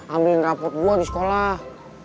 ambil rapot gue di sekolah